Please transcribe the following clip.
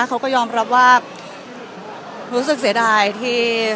เขาก็ยอมรับว่ารู้สึกเสียดายที่